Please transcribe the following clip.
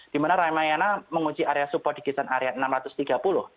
di mana ramayana menguji area support di kisaran area rp enam ratus tiga puluh